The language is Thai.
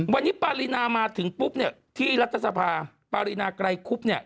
วันนี้ปารีนามาถึงปุ๊บเนี่ยที่รัฐสภาปารินาไกรคุบเนี่ย